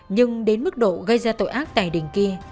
nhưng đến mức độ gây ra tội ác tài đình kia